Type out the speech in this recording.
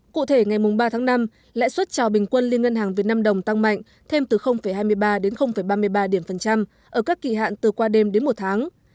cụ thể ngày ba tháng năm lãi suất trào bình quân liên ngân hàng việt nam đồng tăng mạnh thêm từ hai mươi ba đến ba mươi ba điểm phần trăm ở các kỳ hạn từ qua đêm đến một tháng